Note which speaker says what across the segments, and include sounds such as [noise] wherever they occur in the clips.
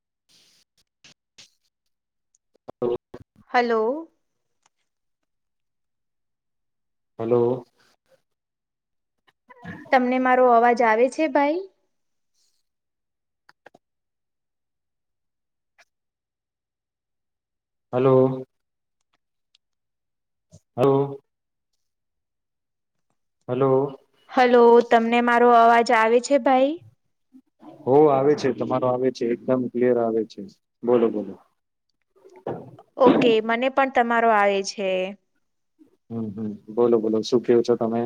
Speaker 1: [inaudible] હ,
Speaker 2: hello,
Speaker 1: hello,
Speaker 2: તમને મારો અવાજ આવે છે ભાઈ.
Speaker 1: હલો, હ, હલો,
Speaker 2: હલો, તમને મારો અવાજ આવે છે. ભાઈ
Speaker 1: હો આવે છે. તમારો આવે છે. એકદમ ક્લિયર આવે છે બોલો બોલો.
Speaker 2: ઓકે મને પણ તમારો આવે છે.
Speaker 1: હમ્મ, હમ્મ, બોલો બોલો શું કેવું છો તમે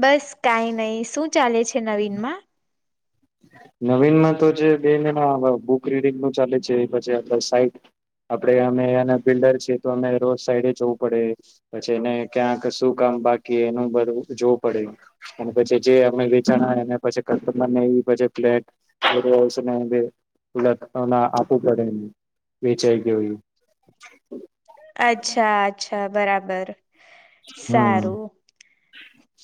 Speaker 2: બસ કઈ નહી શું. શું ચાલે છે. નવીનમાં
Speaker 1: નવીન તો જે બે મહ બુક રીડંગ નું ચાલે છે. પછ સાઈટ આપડ અમે બિલ્ડર છએ તો અ રોડ સાઈડ જવું પડે પછી એને ક્યાં શું કામ બાકી એનું બ જોવું પડે પછી, જેમે વેચા લેટને આપવું પડે એ વેચાઈ ગયું એ
Speaker 2: અચ્છા અચ્છા બરાબર
Speaker 1: હમ
Speaker 2: સારું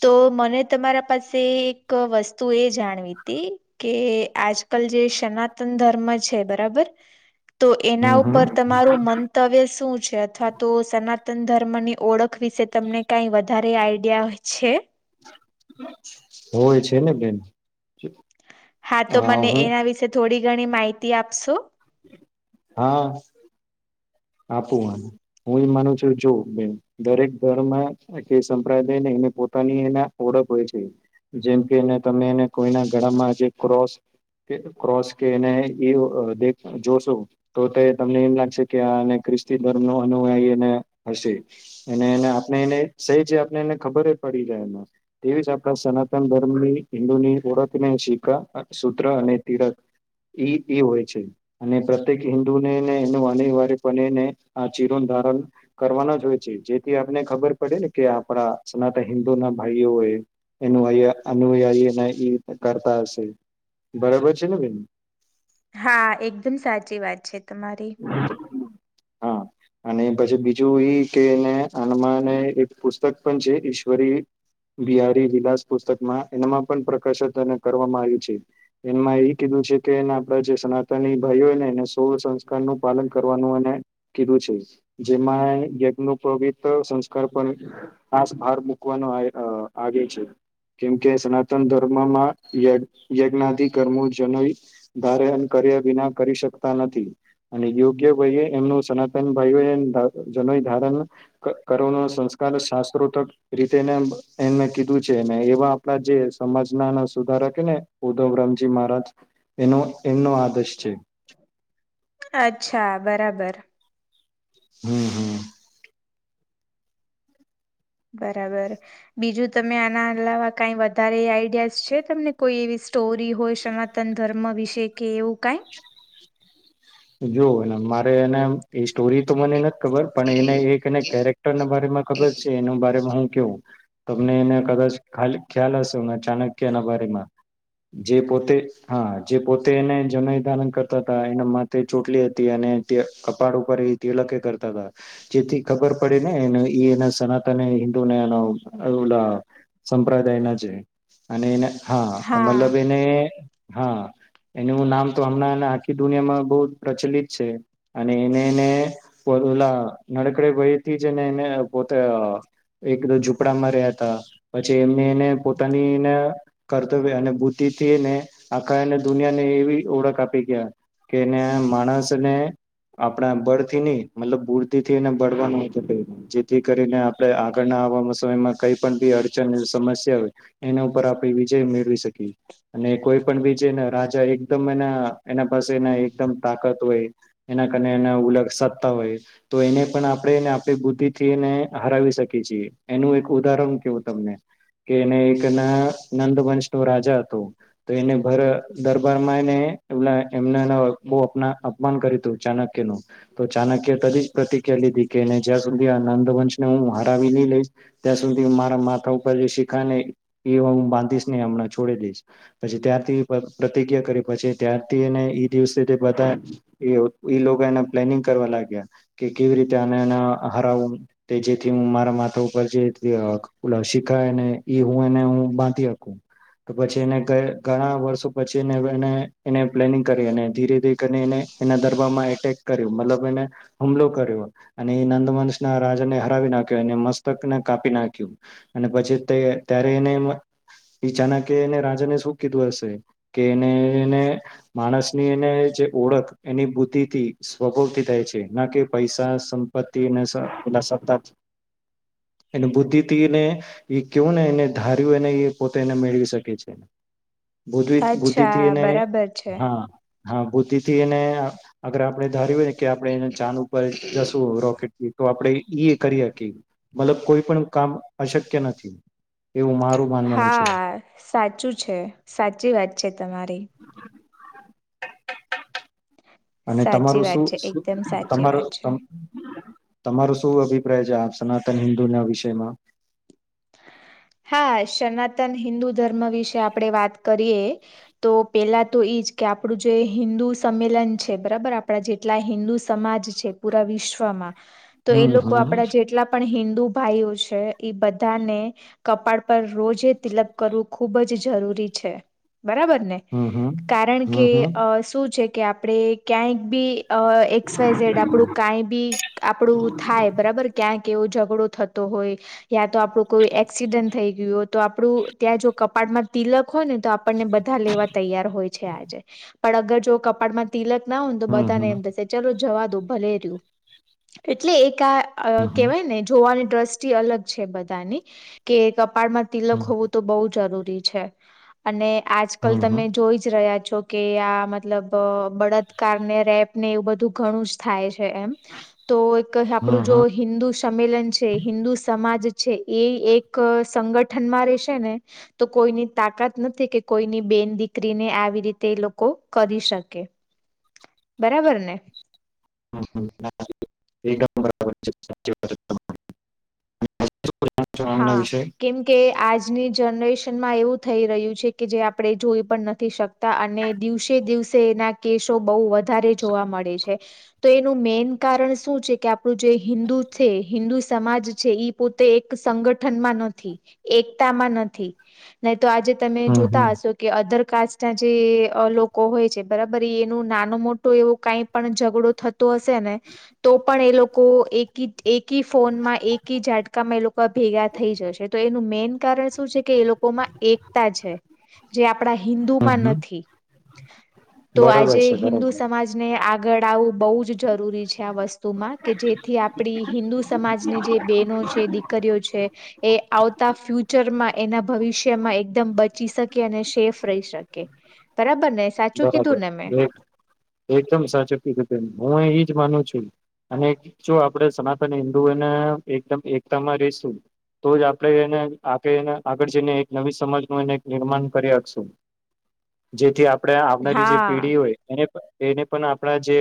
Speaker 2: તો મને તમારા પાસે એક વસ્તુ એ જાણવી હતી. કે આજ કલ જે સનાતન ધર્મ છે બરાબર તો એના
Speaker 1: હમ હમ
Speaker 2: ઉપર તમારું મંતવ્ય શું છે અથવા તો સ સનાતન ધર્મની ઓળખ વિશે તમને કાંઈ વધારે આઈડિયા હોય. છે.
Speaker 1: હોય છે ને બેન
Speaker 2: હા
Speaker 1: અ
Speaker 2: તો મને
Speaker 1: હું
Speaker 2: એના વિશે થોડીક ગણી માહિતી આપશો.
Speaker 1: હા. હું એ માનું છું જો બે દરેક ઘરમાં કે સંપ્રદાયને એને પોતાની એના ઓળખ હોય છે જેમ કે એ તમે એને કોઈના ગળામાં જે ક્રોસ ક્રોસ કે એને એ જોશો તો તે તમને એમ લાગશે કે ખ્રિસ્તી ધર્મ નો અનુયાય એને હશે અને એને આપણે એને સહી જે આપને એને ખબર પડી જ એમાં તેવી જ આપણા સનાતન ધર્મની હિન્દુની ઓળખને શીખા સૂત્ર અને તીરક એ હોય છે અને પ્રત્યેક હિન્દુનેને એનું અનિવાર્ય પણ એને આ ચિરો ધારણ કરવાના જ હોય છે જેથી આપને ખબર પડે ને કે આપણા સનાતન હિન્દુ ના ભાઈઓ એનું અનુયાયી કરતા હશે બરાબર છે ને બેન.
Speaker 2: હા એકદમ સાચી વાત છે. તમામારી
Speaker 1: હા અને પછી બીજું ઈ કે એને આમાંને એક પુસ્તક પણ છે ઈશ્વરી બિહારી વિલાસ પુસ્તકમાં એનામાં પણ પ્રકાશન કરવામાં આવ્યું છે એમાં એ કીધું છે કે આપડા જે સનાતની ભાઈઓને એ સોળ કરવાનું અને કીધું છે જેમાં યજ્ પવિત સંસ્કાર પણ ખાસ ભાર મૂકવાનો આવે છે કેમકે સનાતન ધર્મમાં યજ્ઞદિ કર્મો જન ધ કર્યા વિના કરી શકતા નથી. અને યોગ્ય ભાઈ એમનું સનાતન ભાઈ એ જનો ધારણ કરવાનો સંસ્કાર શાસ્ત્રોતક રીતે એને કીધું છે એવા આપણા જે સમાજના સુધાર કે ને ઉધવ રામજી મહારાજ એનો એમનો આદેશ છે.
Speaker 2: અચ્છા બરાબર.
Speaker 1: [inaudible]
Speaker 2: બરાબર બીજું તમે આના અલાવા કઈ વધારે આઈડિયાસ છે તમને કોઈ એવી સ્ટોરી હોય સનાતન ધર્મ વિશે કે એવું કઈ
Speaker 1: જોવુંને મારે એને એ સ્ટોરી તો મને નથી ખબર પણ એને એક એને કેરેક્ટર ના બમાં ખબર છે એના બમાં હું તમને એને કદાચ ખા ખ્યાલ હશે ચાણક્ય એના બમાં જે પોતે હા જે પોતે એને જનદાન કરતા હતા એના તે ચોટલી હતી અને તે કપાળ ઉપર એ તિલકે કરતા હતા જેથી ખબર પડી નેને એ એના સનાતન એ હિન્દુને એના ઓલા સંપ્રદાય ના છે અને એને હા મતલબ એને હા એનું નામ તો હમણાં આખી દુનિયામાં બહ પ્રચલિત છે અને એને એને ઓલા નડકડે વયથી જને એને પોતે એક ઝુંપડા મા રહ્યા હતા પછી એ એને પોતાનીને કર્તવ્ય અને બુદ્ધિ થી એને આખાને દુનિયા ને એવી ઓળખ આપી ગયા કે એને માણને આપણા બળથી નની મતલબ બુદધ થી એને બળવાનું જેથી કરીને આપણે આગળના આવામાં સમયમાં કઈ પણ બી અડચણ સમસ્યા હોય એના ઉપર આપણે વિજય મેળવી શકીએ અને કોઈ પણ બી છેને રાજા એકદમ એના એના પાસે એકદમ તાકાત હોય એના કાર એના ઉલગ સત્તા હોય તો એને પણ આપણે એને આપણી બુદ્ધિ થી એને હરાવી શકીએ છીએ એનું એક ઉદાહરણ કેવું તમને કે એને એક એના નંદ વંશ ન રાજા હતો તો એને દરબારમાં એને એ એમના બહ અપ અપમાન કર્યું હતું ચાણક્ય નું તો ચાણક્ય ત જ પ્રતિક્રિયા લીધી કે જ્યાં સુધી આ નંદ વંશને હું હરાવી લઈ લઈશ ત્યાં સુધી મારા માથા ઉપર જે શીખા ને એ હું બાંધીશ ને હમણાં છોડી દઈશ પછી ત્યાંથી પ્રતિક્ઞા કરી પછી ત્યાં ને એ દિવસે લોકો એને પ્લેનિંગ કરવા લાગ્યા કે કેવી રીતે આને એના હરાવું જેથી હું મારા માથા ઉપર જે શીખાયને એ હું એને હ બાંધી આપકું તો પછી એને ઘણા વર્ષો પછી એને એને પ્લેનિંગ કરીને ધીરે એના દરબામાં એટેક કર્યો મતલબ એને હુમલો કર્યો અને એ નંદ વંશ ના રાજાને હરાવી નાખ્યો એને મસ્તકને કાપી નાખ્યું અને પછી ત્યારે એને ચાનક એને રાજાને શું કીધું હશે કે એને એને માણસની એને જે ઓળખ એની બુદ્ધિથી સ્વભાવથી થાય છે, ના કે પૈસા સંપત્તિ અને એ સતા એની બુદ્ધિથીને એ કેવું ને એ ધાર્યું એને એ પોતે એને મેળવી શકે છે. બુ
Speaker 2: અચ્છા
Speaker 1: બુદ્ધિથીને
Speaker 2: બરાબર છે.
Speaker 1: હા હામ ભૂતિ થી એને અગર આપડણે ધાર્યું હો કે આપડે એને ચાન ઉપર જશું રોકેટથી તો આપડે ઈ ઈ એ કર્યા કે મતલબ કોઈ પણ કામ અશક્ય નથી. એવું મારું માનવાનું છે
Speaker 2: હા, સાચું છે સાચી વાત છે તમારી.
Speaker 1: [unintelligible] અને
Speaker 2: સાચી
Speaker 1: તમારું
Speaker 2: વાત
Speaker 1: શું
Speaker 2: છે એકદમ સાચી
Speaker 1: તમારું
Speaker 2: વાત છે.
Speaker 1: તમ તમારો શું અભિપ્રાય છે, આ સનાતન હિન્દુ ના વિષયમાં
Speaker 2: હા, સનાતન હિન્દુ ધર્મ વિશે આપડે વાત કરીએ તો પેલા તો એઈજ કે આપડું જે હિન્દુ સંમેલન છે, બરાબર આપણા જેટલા હિન્દુ સમાજ છે પૂરા વિશ્વમાં તો એ
Speaker 1: હમ
Speaker 2: લોકો
Speaker 1: હમ
Speaker 2: આપડા જેટલા પણ હીં [inaudible] ભાઈઓ છે એ બધા બધાને કપાળ પર રોજે તિલક કરવું ખૂબ જ જરૂરી છે. બરાબર ને
Speaker 1: હમ હમ
Speaker 2: કારણ કે
Speaker 1: હમ હમ
Speaker 2: શું છે. કે આપણેે ક્યાંયક બી અવ એક્સવાયઝેડ આપડું કાઈ બી આપડું થાય બરાબર ક્યાંક એવું જ પૂરો થતો હોય યા તો આપડુ કોઈ એક્સિડન્ટ થઈ ગયું હો તો આપડુ ત્યાં જો કપાટમાં તિલક ખો ને તો આપણને બધા લેવા તૈયાર હોય છે આજે પણ અગર જો કપાળમાં તિલક ના હું તો બધાને
Speaker 1: હમ
Speaker 2: એમ થશે ચલો જવા દો ભલેર્યું એટલે એક અ
Speaker 1: હમ
Speaker 2: કેવાય ને જોવાની દ્રષ્ટિ અલગ છે બધ તાની કેક અપ પાડમાં
Speaker 1: હમ
Speaker 2: તિલક હોવું તો જરૂર ટી છે અને આજકાલ
Speaker 1: હમ
Speaker 2: તમે જોઈ જ રહ્યા છો કે આ મતલબ અ બળત્કાર ને રેપ ને એવું બધું ઘણું જ થાય છ એમ. તો એક
Speaker 1: હમ
Speaker 2: આપડું
Speaker 1: હમ
Speaker 2: જો હિન્દુ સંમેલન છે, હિન્દુ સમાજ છે એ એક સંગઠનમાં રશેને તો કોઈની તાકાત નથી કે કોઈની બેન દીકરીને આવી રીતે એ લોકો કરી શકે, બરાબર ને?
Speaker 1: [unintelligible] શું આમના
Speaker 2: હા
Speaker 1: વિશે
Speaker 2: કેમ કે આજની જનરેશ તેનમા એવું થઈ રહ્યું છે કે જે આપણે જોઈ પણ નથી શકતા અને દિવસે દિવસે એના કેસો બહુ વધ ધારે જોવા મળે છે. તો એનું મેન કારણ શું છે કે આપણું જે હિન્દુ છે હિન્દુ સમાજ છે એ પોતે એક સંગઠનમાં નથી એકતામાં નથી. તો આજે તમે
Speaker 1: હમ હમ
Speaker 2: જોતા હશો કે અધર ના જે લોકો હોય છે બરાબર એનું નાનો મોટો એવો કઈ પણ ઝઘડો થતો હશે ને તો પણ એ લોકો એકિ એક એકી ફોનમાં એકી ઝાટકા મા એ લોકો ભેગા થઈ જશે તો એનું મેન કારણ શું છે. કે એ લોકોમાં એકતા છે જે આપણા
Speaker 1: હમ
Speaker 2: હિન્દુમાં
Speaker 1: હમ
Speaker 2: નથી તો
Speaker 1: બરાબર
Speaker 2: આજે
Speaker 1: છે
Speaker 2: હિન્દુ
Speaker 1: બરાબર
Speaker 2: સમાજને આ આગળ આવવું બહુ જ જરૂરી છે આ વસ્તુમાં કે જેથી આપણી હિન્દુ સમાજની જે બેહેનો છે દી એ આવતા ફ્યુચરમાં એના ભવિષ્યમાં એકદમ બચી શકે અને સેફ રહી શકે બરાબર ને સાચું
Speaker 1: બરાબર
Speaker 2: કીધું ને મેં
Speaker 1: એક એકદમ સાચ કીધું હું અ માનું છું અને જો આપણે સનાતન હિન્દુ એને એકદમ એકતામાં રહશું તો જ આપણે એને આગળ જઈને એક નવી સમાજનું એને નિર્માણ કરી આપશું જેથી આ આપડે આવનારી જે
Speaker 2: હા
Speaker 1: પેઢી હોય એને એને પણ આપણા જે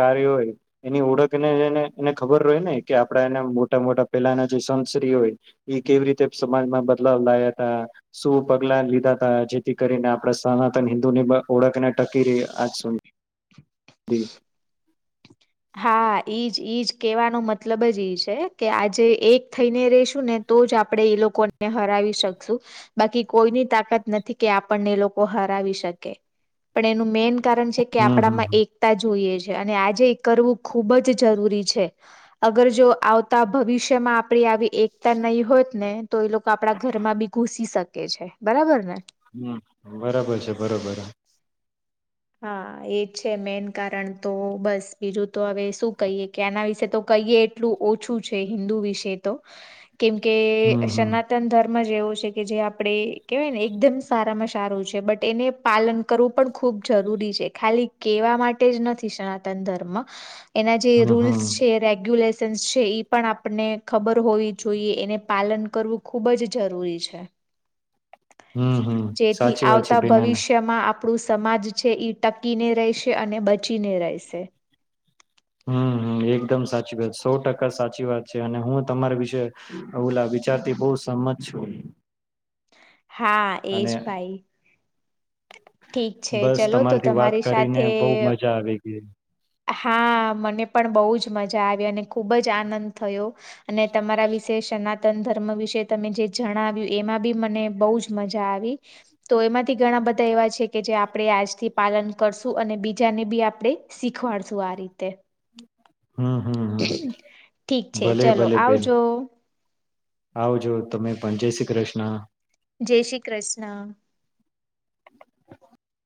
Speaker 1: કાર્યો હોય એની ઓળખને એને એને ખબર હોય ને કે આપડા એના મોટા મોટા પેલાના જે સંશ્રી હોય એ કેવી રીતે સમાજમાં બદલાવ લાયા તા શું પગલા લીધા ત જેથી કરીને આપડા સનાતન હિન્દુને ઓડકનેટ કે ર આજ શો જ
Speaker 2: હા ઈજ ઈજ કેવાનો મતલબ જ ઈ છે કે આજે એક થઈને રશું ને તો જ આપણે એ લોકોને હરાવી શકશું બાકી કોઈની તાકાત નથી કે આપણને એ લોકો હરાવી શકે પણ એનું મેન કારણ છે કે
Speaker 1: હમ હમ
Speaker 2: આપણામાં એકતા જોઈએ છે. અને આજે એ કરવું ખુબ જ જરૂરી છે અગર જો આવતા ભવિષ્યમાં આપડી આવી એકતા નહી હોત ને તો એ લોકો આપડા ઘરમાં બી ઘુસી શકે છે બરાબર ને.
Speaker 1: હમ બરાબર છે બરોબર.
Speaker 2: હા એજ છે મેન કારણ તો બસ બીજું તો હવે શું કહીએ કે આના વિશે તો કહીએ એટલું ઓછું છે હિન્દુ વિશે તો કેમ કે
Speaker 1: હમ હમ
Speaker 2: સનાતન ધર્મ માં જ છે કે જે આપ કેવાય ને એકદમ સારામાં સારું છે બટ એને પાલન કરવું પણ ખુબ જરૂરી છે ખાલી કેવા માટે જ નથી સનાતન ધર્મ. એના જે
Speaker 1: હમ
Speaker 2: રૂલ્સ
Speaker 1: હમ
Speaker 2: છે રેગ્યુલેશ છે ઈ પણ આપને ખબર હોવી જોઈએ એને પાલન કરવું ખૂબ જ જરૂરી છે.
Speaker 1: હમ હમ
Speaker 2: જેથી
Speaker 1: સાચી વાત છે
Speaker 2: આવતા
Speaker 1: બેન
Speaker 2: ભવિષ્યમાં આપ ણું સમાજ છે ટકીને રહેશે અને બચીને રહેશે.
Speaker 1: હમ હમ એકદમ સાચી વાત સો ટકા સાચી વાત છે અને હું તમારા વિશે ઓલા વિચારતી બહુ સમત છું.
Speaker 2: હા એજ
Speaker 1: અને
Speaker 2: ભાઈ ઠીક છે
Speaker 1: બસ
Speaker 2: ચલો તો
Speaker 1: તમારીથી
Speaker 2: તમારી
Speaker 1: વાત
Speaker 2: સાથે
Speaker 1: કરીને બહુ મજા આવી ગઈ.
Speaker 2: હા મને પણ બહુ જ મજા આવી અને ખૂબ જ આનંદ થયો. અને તમારા વિશે સનાતન ધર્મ વિશે તમે જે જણાવ્યું એમાં બી મને બોવ જ મજા આવી તો એમાંથી ઘણા બધા એવા છે કે જે આપણે આજથી પાલન કરશું અને બીજાને બી આપણે શી ખવાડશું આ રીતે.
Speaker 1: હમ હમ હમ
Speaker 2: ઠીક છે
Speaker 1: ભલે
Speaker 2: ચલો
Speaker 1: ભલે બેન
Speaker 2: આવજો.
Speaker 1: આવજો તમે પણ જય શ્રી કૃષ્ણ.
Speaker 2: જય શ્રી કૃષ્ણ.
Speaker 1: [inaudible]